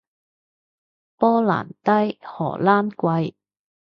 波蘭低，荷蘭貴